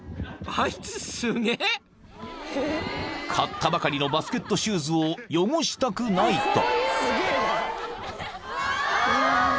［買ったばかりのバスケットシューズを汚したくないと］